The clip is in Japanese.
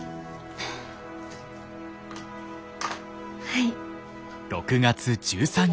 はい。